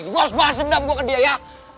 gua harus bahas dendam gua ke dia ya